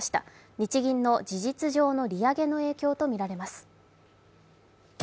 日銀の事実上の利上げとみられます。